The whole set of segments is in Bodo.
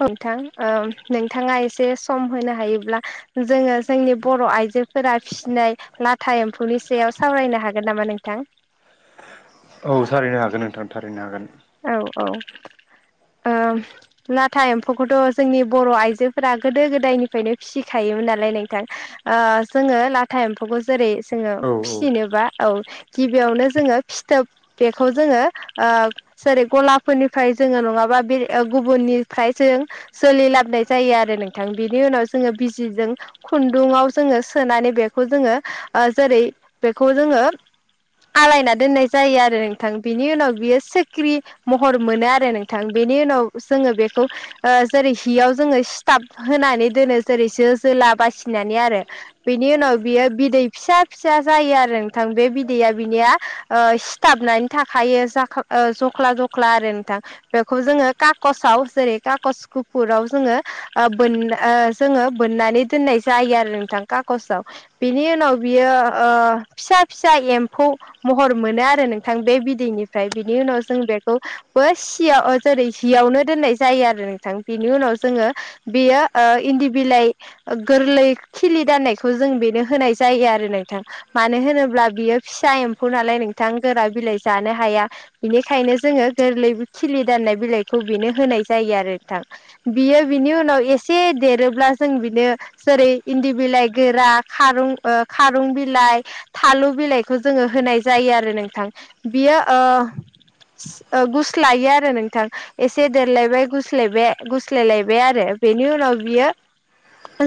नोंथां नोंथाङा एसे सम होनो हायोब्ला जोङो जोंनि बर' आइजो फोरा फिसिनाय लाथा एम्फौनि सायाव सावरायनो हागोन नामा नोंथां? औ थारैनो हागोन नोंथां थारैनो हागोन। औ औ ओम लाथा एम्फौखौथ' जोंनि बर' आइजोफोरा गोदो गोदायनिफ्रायनो फिसिखायोमोन नालाय नोंथां ओ जोङो लाथा एम्फौखौ जेरै जोङो औ फिसिनोबा औ गिबियावनो जोङो फिथोब बेखौ जोङो ओ जेरै गलाफोरनिफ्राय जोङो नङाबा बे गुबुननिफ्राय जों सोलिलाबनाय जायो आरो नोंथां बेनि उनाव जोङो बिजिजों खुन्दुंङाव जोङो सोनानै बेखौ जोङो जेरै बेखौ जोङो आलायना दोननाय जायो आरो नोंथां बिनि उनाव बियो सोख्रि महर मोनो आरो नोंथां बेनि उनाव जोङो बेखौ ओ जेरै हियाव जोङो सिथाब होनानै दोनो जेरै जो जोला बासिनानै आरो बेनि उनाव बियो बिदै फिसा फिसा जायो आरो नोंथां बे बिदैया बिनिया ओ सिथाबनानै थाखायो जाख जख्ला जख्ला आरो नोंथां बेखौ जोङो काकसाव जेरै काकस गुफुराव जोङो बोन जोङो बोननानै दोननाय जायो आरो नोंथां कागसाव बिनि उनाव बियो फिसा फिसा एम्फौ महर मोनो आरो नोंथां बे बिदैनिफ्राय बिनि उनाव जों बेखौ बो सियाव जेरै हियावनो दोननाय जायो आरो नोंथां बिनि उनाव जोङो बेयो इन्दि बिलाइ गोरलै खिलि दाननायखौ जों बेनो होनाय जायो आरो नोंथां। मानो होनोब्ला बियो फिसा एम्फौ नालाय नोंथां गोरा बिलाइ जानो हाया। बेनिखायनो जोङो गोरलै खिलि दाननाय बिलाइखौ बेनो होनाय जायो आरोथां बियो बिनि उनाव एसे देरोब्ला जों बिनो जेरै इन्दि बिलाइ गोरा खारुं खारं बिलाइ थालु बिलाइखौ जोङो होनाय जायो आरो नोंथां बियो ओ गुस्लायो आरो नोंथां एसे देरलायबाय गुस्लायबाय गुस्लाय लायबाय आरो बेनि उनाव बेयो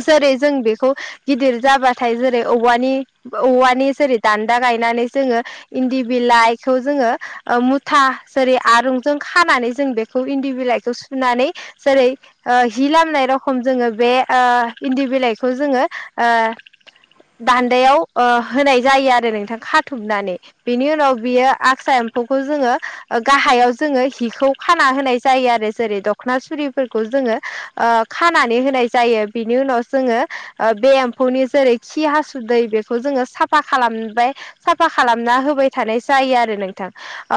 जेरै जों बेखौ गिदिर जाबाथाय जेरै औवानि औवानि जेरै दान्दा गायनानै जोङो इन्दि बिलाइखौ जोङो मुथा जेरै आरुंजों खानानै जों बेखौ इन्दि बिलाइखौ सुनानै जेरै हि लामनाय रखम जोङो बे इन्दि बिलाइखौ जोङो दान्दायाव होनाय जायो आरो नोंथां खाथबनानै । बिनि उनाव बियो आस खौ जोङो गाहायाव जोङो हिखौ खाना होनाय जायो आरो जेरै दखना सुरिफोरखौ जोङो ओ खानानै होनाय जायो बिनि उनाव जोङो बे एम्फौनि जेरै खि हासुद बेखौ जोङो साफा खालामबाय साफा खालामना होबाय थानाय जायो आरो नोंथां।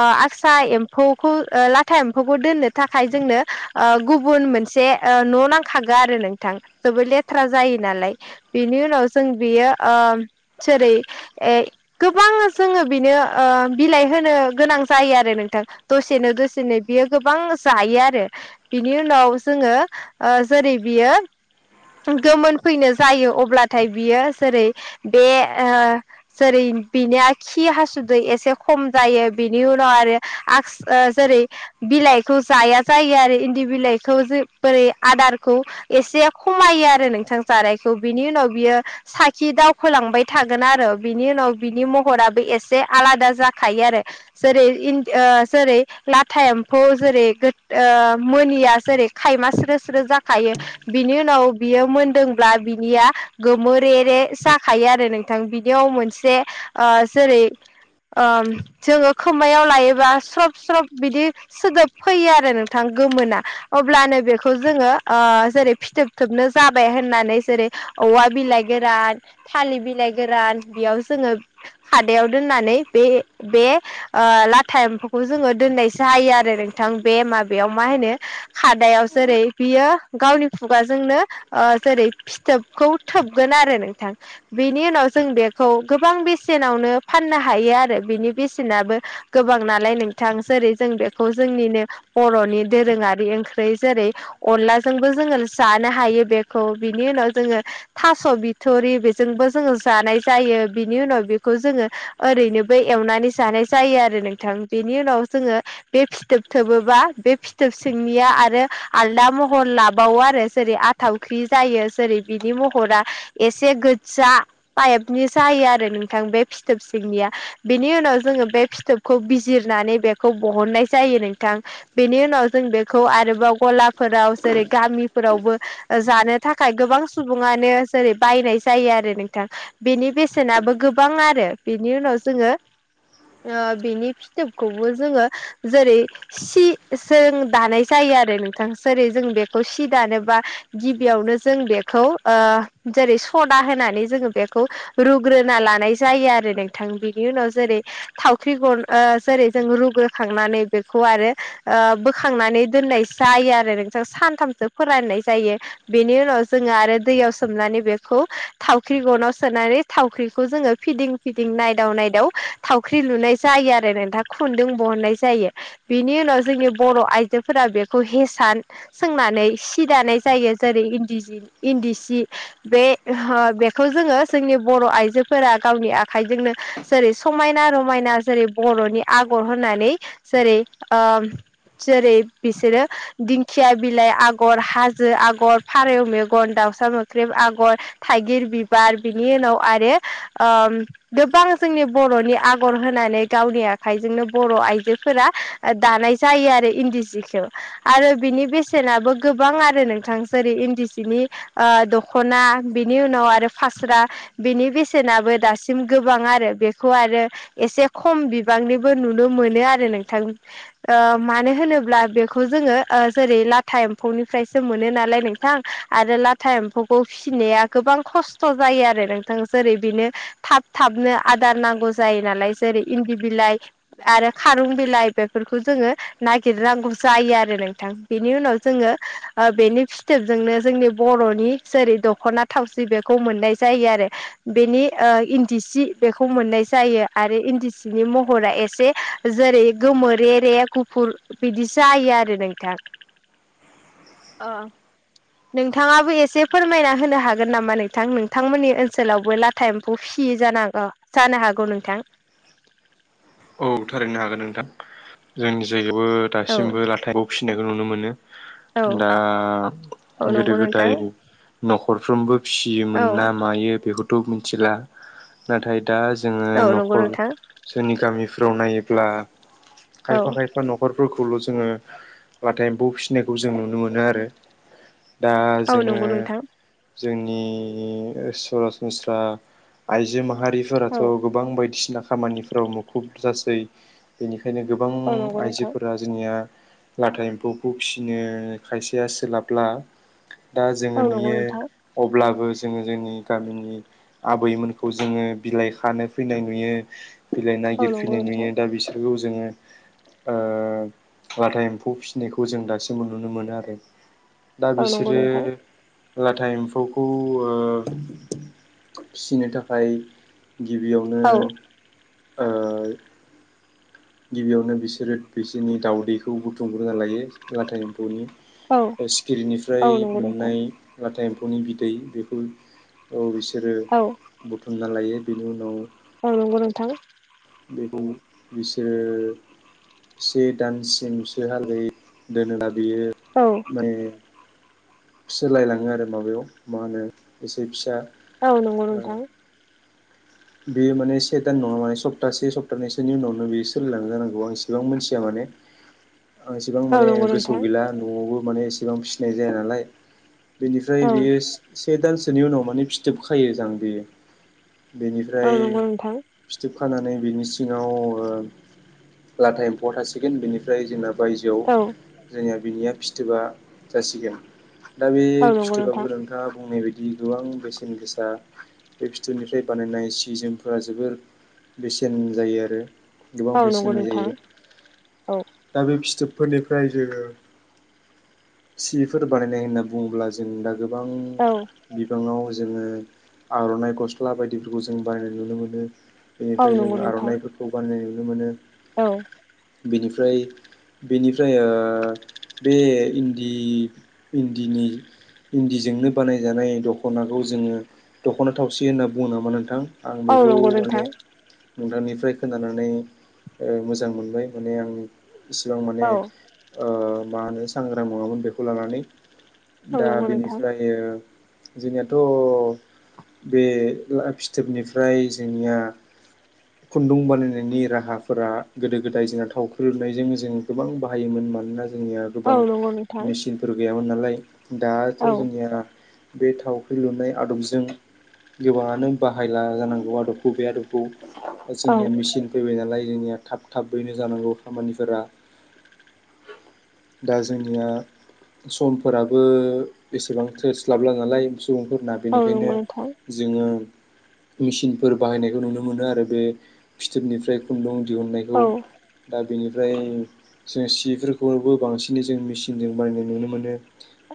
आसा एम्फौखौ लाथा एम्फौखौ दोननो थाखाय जोंनो ओ गुबुन मोनसे न' नांखागो आरो नोंथां जबोद लेथ्रा जायो नालाय बिनि नावसं बिया अ जेरै ए गोबां जोङो बेनो बिलाइ होनो गोनां जायो आरो नोंथां। दसेनो दसेनो बियो गोबां जायो आरो। बिनि उनाव जोङो जेरै बियो गोमोन फैनो जायो अब्लाथाय बियो जेरै बे जेरै बिनिया खि हासुदै एसे खम जायो। बिनि उनाव आरो जेरै बिलाइखौ जाया जायो आरो इन्दि बिलाइखौ ज बोरै आदारखौ एसे खमायो आरो नोंथां जानायखौ बिनि उनाव बियो साखि दावखोलांबाय थागोन आरो बिनि उनाव बिनि महराबो एसे आलादा जाखायो आरो जेरै जेरै लाथा एम्फौ जेरै मनिया जेरै खायमा स्रो स्रो जाखायो बिनि उनाव बियो मोनदोंब्ला बिनिया गोमोरे रे जाखायो आरो नों बिनियाव मोनसे जेरै जोङो खोमायाव लायोबा स्रब स्रब बिदि सोदोब फैयो आरो नोंथां गोमोना अब्लानो बेखौ जोङो जेरै फिथोब थोबनो जाबाय होननानै जेरै औवा बिलाइ गोरान थालिर बिलाइ गोरान बेयाव जोङो हादायाव दोननानै बे बे लाथा एम्फौखौ जोङो दोननायसो हायो आरो नोंथां, बे माबायाव मा होनो? खादायाव जेरै बियो गावनि खुगाजोंनो जेरै फिथोबखौ थोबगोन आरो नोंथां। बेनि उनाव जों बेखौ गोबां बेसेनावनो फाननो हायो आरो बेनि बेसेनाबो गोबां नालाय नोंथां जेरै जों बेखौ जोंनिनो बर'नि दोरोङारि ओंख्र्रि जेरै अनलाजोंबो जोङो जानो हायो बेखौ बिनि उनाव जोङो थास' बिथ'रि बेजोंबो जोङो जानाय जायो बिनि उनाव बेखौ जोङो ओरैनोबो एवनानै जानाय जायो आरो नोंथां, बेनि उनाव जोङो बे फिथोब थोबोबा बे फिथोब सिंनिया आरो आलदा महर लाबावो आरो जेरै थावख्रि जायो जेरै बिनि महरा एसे गो्जा पाइपनि जायो आरो नोंथां बे फिथोब सिंनिया बेनि उनाव जोङो बे फिथोबखौ बिजिरनानै बेखौ बहननाय जायो नोंथां। बेनि उनाव जों बेखौ आरोबाव गलाफोराव जेरै गामिफोरावबो जानो थाखाय गोबां सुबुङानो जेरै बायनाय जायो आरो नोंथां। बेनि बेसेनाबो गोबां आरो बेनि उनाव जोङो बिनि फिथोबखौबो जोङो जेरै सि जों दानाय जायो आरो नोंथां सोरै जों बेखौ सि दानोबा गिबियावनो जों बेखौ आ जेरै सदा होनानै जोङो बेखौ रुग्रोना लानाय जायो आरो नोंथां बिनि उनाव जेरै थावख्रि गन जेरै जों रुग्रोखांनानै बेखौ आरो बोखांनानै दोननाय जायो आरो नोंसोर सानथामसो फोररायनाय जायो। बेनि उनाव जोङो आरो दैयाव सोमनानै बेखौ थावख्रि गनाव सोनानै थावख्रिखौ जोङो फिदिं बिदिं नायदाव नायदाव थावख्रि लुनाय जायो आरो नोंथा खुन्दुं बहननाय जायो। बिनि उनाव जोंनि बर' आइजोफोरा बेखौ हेसान सोंनानै सि दानाय जायो जेरै इन्दि इन्दि सि बे हो बेखौ जोङो जोंनि बर' आइजोफोरा गावनि आखाइजोंनो जेरै समाय समायना रमायना जेरै बर'नि आगर होननानै जेरै आ जेरै बिसोरो दिंखिया बिलाइ आगर, हाजो आगर, फारौ मेगन, दाउसा मोख्रेब आगर थाइगिर बिबार बिनि उनाव आरो ओ गोबां जोंनि बर'नि आगर होनानै गावनि आखाइजोंनो बर' आइजोफोरा दानाय जायो आरो इन्दि जिखौ आरो बिनि बेसेनाबो गोबां आरो नोंथां जेरै इन्दि सिनि ओ दखना बिनि उनाव आरो फास्रा बेनि बेसेनाबो दासिम गोबां आरो। बेखौ आरो एसे खम बिबांनिबो नुनो मोनो आरो नोंथां ओ मानो होनोब्ला बेखौ जोङो ओ जेरै लाथा एम्फौनिफ्रायसो मोनो नालाय नों नोंथां आरो लाथा एम्फौखौ फिसिनाया गोबां खस्थ' जायो आरो नोंथां। जेरै बेनो थाब थाबनो आदार नांगौ जायो नालाय जेरै इन्दि बिलाइ आरो खारुं बिलाइ बेफोरखौ जोङो नागिरनांगौ जायो आरो नोंथां। बेनि उनाव जोङो ओ बेनि फिथोबजोंनो जोंनि बर'नि जेरै दख'ना थावसि बेखौ मोननाय जायो आरो। बेनि ओ इन्दि सि बेखौ मोननाय जायो आरो इन्दि सिनि महरा एसे जेरै गोमोरे रे गुफुर बिदि जायो आरो नोंथां । अ। नोंथाङाबो एसे फोरमायना होनो हागोन नामा नोंथां? नोंथांमोननि ओनसोलावबो लाथा एम्फौ फि जानांगौ जानो हागौ नोंथां। औ थारैनो हागोन नोंथां । जोंनि जायगायावबो औ दासिमबो लाथा एमफौ फिसिनायखौ नुनो मोनो। औ दा औ गोदो नंगौ गोदाय नोंथां न'खरफ्रोमबो औ फियोमोन ना मायो बेखौथ' मिथिला, नाथाय दा जोङो औ नंगौ न'खर नोंथां सोरनि गामिफ्राव नायोब्ला औ खायफा खाय फा न'खरफोरखौल' जोङो लाथा एम्फौ फिसिनायखौ जों नुनो मोनो आरो। दा औ जोङो नंगौ नोंथां जोंनि सरासनस्रा आइजो माहारि फोराथ' औ गोबां बायदिसिना खामानिफोराव मुखुब जासै। बेनिखायनो गोबां औ नंगौ नोंथां आइजोफोरा जोंनिया लाथा एम्फौखौ फिसिनो खायसेया सोलाबब्ला दा जोङो औ नंगौ नुयो नोंथां अब्लाबो जोङो जोंनि गामिनि आबैमोनखौ जोङो बिलाइ खानो फैनाय नुयो, बिलाइ औ नागिर नंगौ फैनाय नोंथां नुयो। दा बिसोर खौ जोङो ओ लाथा एम्फौ फिसिनायखौ जों दासिमबो नुनो मोनो आरो। दा औ नंगौ बिसोरो नोंथां लाथा एम्फौखौ ओ फिनो थाखाय गिबियावनो औ ओ गिबियावनो बिसोरो बिसोरनि दाउदैखौ बुथुमग्रोना लायो, लाथा एम्फौनि औ औ सिखिरिनिफ्राय नंगौ नोंथां मोननाय लाथा एम्फौनि बिदै बेखौ औ बिसोरो औ बुथुमना लायो। बेनि उनाव औ नोंगौ नोंथां। बेखौ बिसोरो से दानसिमसो हालदै दोनोना बेयो औ माने सोलायलाङो आरो माबायाव मा होनो एसे फिसा औ नोंगौ ओ नोंथां । बेयो माने से दान नङा माने सप्तासे सप्तानैसोनि उनावनो बेयो सोलिलांनो जानांगौ आं इसेबां मोनथिया माने [inaudible] आं एसेबां औ माने नंगौ गोसोआव नोंथां गैला न'आवबो माने एसेबां फिसिनाय जाया नालाय। औ बेनिफ्राय बेयो से दानसोनि उनाव माने फिथोब खायो जां बेयो। औ बेनिफ्राय नंगौ नोंथां फिथोब खानानै बेनि सिङाव लाथा एम्फौआ थासिगोन, बेनिफ्राय जोंना बायजोआव औ। जोंनिया बिनिया फिथोबा जासिगोन, दा बे औ नंगौ फिथोबाबो नोंथां नोंथाङा बुंनाय बायदि गोबां बेसेन गोसा बे फिथोबनिफ्राय बानायनाय सि जोमफोरा जोबोर बेसेन जायो आरो। गोबां औ नंगौ बेसेननि नोंथां जायो। औ दा बे फिथोबफोरनिफ्राय जोङो सिफोर बानायनाय होनना बुङोब्ला जों दा गोबां औ बिबाङाव जोङो आर'नाइ गस्ला बायदि खौ जों बानायनाय नुनो मोनो औ बेनिफ्राय जों नंगौ नोंथां आर'नाइफोरखौ बानायनाय नुनो मोनो। औ। बेनिफ्राय बेनिफ्राय बे इन्दि इन्दिनि इन्दिजोंनो बानायजानाय दख'नाखौ जोङो दख'ना थावसि होनना बुङो नामा नोंथ नोंथां आं औ बेखौ नंगौ नोंथां माने नोंथांनिफ्राय खोनानानै मोजां मोनबाय माने आं इसिबां माने औ मा होनो सांग्रां नङामोन बेखौ लानानै। औ दा नंगौ नोंथां बेनिफ्राय जोंनियाथ' बे ला फिथ सिथोबनिफ्राय जोंनिया [inaudible] खुन्दुं बानायनायनि राहाफोरा गोदो गोदाय जोंहा थावख्रोबनायजों जों गोबां बाहायोमोन मानोना जों जोंनिया गोबां औ नंगौ मेचिनफोर गैयामोन नालाय नोंथां दाथ' औ जोंनिया बे थावख्रि लुनाय आदबजों गोबाङानो बाहायला जानांगौ आदबखौ बे आदब खौ औ जोंनिया मेचिन फैबाय नालाय जोंनिया थाब थाबैनो जानांगौ खामानिफोरा दा जोंनिया समफोराबो एसेबां थोस्लाबला नालाय सुबुंफोरना औ बेनिखायनो नंगौ नोंथां जोङो मेसिनफोर बाहायनायखौ नुनो मोनो आरो बे फिथोबनिफ्राय खुन्दुं दिहुननायखौ। औ दा बेनिफ्राय जों सिफोरखौबो बांसिनै जों मेचिनजों बानायनाय नुनो मोनो।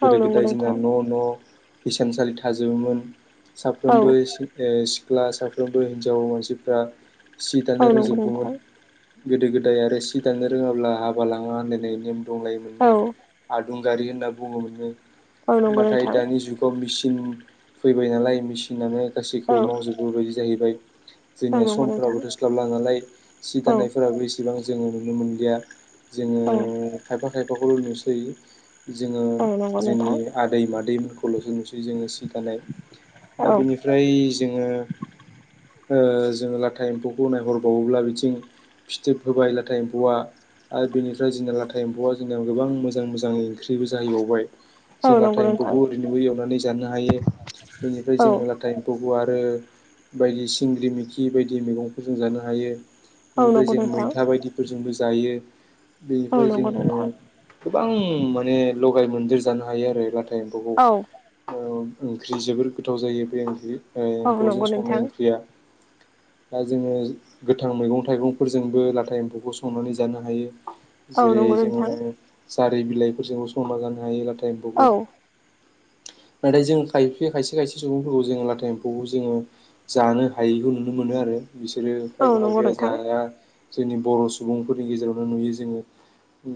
औ गोदो नंगौ गोदाय जोंना नोंथां न' न' हिसानसालि थाजोबोमोन औ साफ्रोमबो एसे सिख्ला साफ्रोमबो हिनजाव मानसिफ्रा सि औ दानो नंगौ रोंजोबगौमोन। नोंथां गोदो गोदाय आरो सि दानो रोङाब्ला हाबा लाङा होनलायनाय नेम दंलाय औ मोननो। आदुंगारि होनना बुङो मोननो औ नंगौ नाथाय नोंथां दानि जुग थ' मेचिन फैबाय नालाय मेसिनानो औ गासैखौबो मावजोबोबायदि जाहैबाय औ जोंनिया नंगौ नोंथां समफ्राबो थोस्लाबला नालाय सि औ दानायफोराबो एसेबां जोङो नुनो मोनलिया। जोङो औ खायफा खायफाखौल' नुसै जोङो औ नंगौ जोंनि नोंथां आ दैमा दैखौल'सो नुसै जोङो सि दानाय औ दा बिनिफ्राय जोङो जोङो लाथा एम्फौखौ नायहरबावोब्ला बिथिं- फिथोब होबायब्लाथाय एम्फौआ आरो बेनिफ्राय जोंना लाथा एम्फौआ जोंनियाव गोबां मोजां मोजां ओंख्रिबो जाहैबावबाय। औ जों लाथा नंगौ नोंथां एम्फौखौ ओरैनोबो एवनानै जानो हायो बेनिफ्राय औ जोङो लाथा फौ आरो बायदि सिंग्रि मिखि बायदि मैगंफोर जों जानो हायो। औ बेनिफ्राय नंगौ जों नोंथां मैथा बायदिफोरजोंबो जायो औ बेनिफ्राय नंगौ जोङो नोंथां गोबां माने लगाय मोनदेर जानो हायो आरो लाथा एम्फौखौ। औ ओंख्रि जोबोर गोथाव जायो बे ओंख्रि औ एम्फौजों नंगौ संनाय नोंथां ओंख्रिया दा जोङो गोथां मैगं थाइगंफोरजोंबो लाथा एम्फौखौ संनानै जानो हायो। औ जेरै नंगौ नोंथां जोङो जारि बिलाइफोरजोंबो संना जानो हायो लाथा एम्फौखौ औ नाथाय जों खायफे खायसे खायसे सुबुंफोरखौ जोङो लाथा खौ जोङो जानो हायैखौ नुनो मोनो आरो बिसोरो औ खायफा नंगौ खायफाया नोंथां जाया जोंनि बर' सुबुंफोरनि गेजेरावनो नुयो जोङो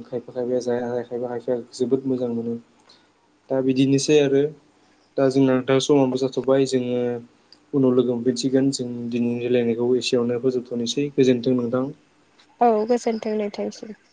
खायफा खायफाया खायफा खायफाया जोबोद मोजां मोनो दा बिदिनोसै आरो दा जोंना नथाङा समाबबो जाथ'बाय जोङो उनाव लोगो हफिन्थिगोन जों दिनै रायलायनायखौ एसेयावनो फोजोबथ'नोसै गोजोन्थों नोंथां । औ गोजोन्थों नोंथांनिसिम ।